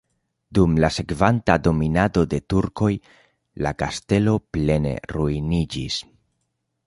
Dum la sekvanta dominado de turkoj la kastelo plene ruiniĝis.